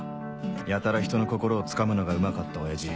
やたらひとの心をつかむのがうまかった親父